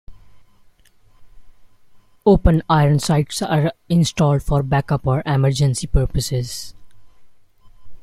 Open iron sights are installed for backup or emergency purposes.